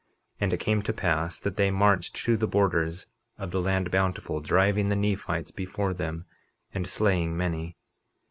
51:28 And it came to pass that they marched to the borders of the land Bountiful, driving the Nephites before them and slaying many.